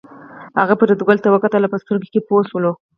هغه فریدګل ته وکتل او په سترګو کې پوه شول